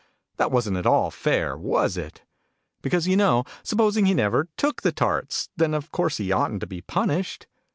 That wasn't at all fair, was it ? Because, you know, supposing he never took the Tarts, then of course he oughtn't to be punished.